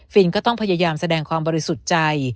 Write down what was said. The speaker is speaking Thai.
ก็ต้องพยายามแสดงความบริสุทธิ์ใจ